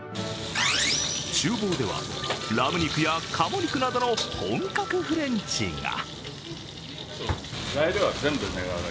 ちゅう房ではラム肉やかも肉などの本格フレンチが。